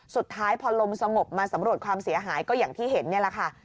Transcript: สุดท้ายพอลมสงบมาสำรวจความเสียหายก็อย่างที่เห็นนี่แหละค่ะ